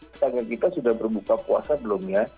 tetangga kita sudah berbuka puasa belum ya